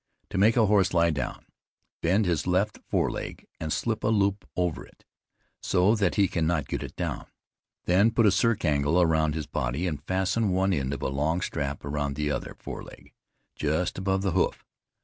To make a horse lie down, bend his left fore leg, and slip a loop over it, so that he cannot get it down. Then put a circingle around his body, and fasten one end of a long strap around the other fore leg, just above the hoof.